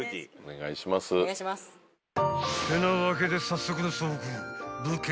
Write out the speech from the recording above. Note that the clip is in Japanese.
［ってなわけで早速のそく］